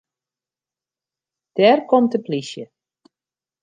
Dêr komt de plysje.